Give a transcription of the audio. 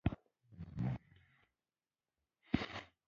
دنیا له ارمان سره ده.